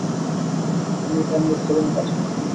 আমি এমআই-সেভেন-এ কাজ করি।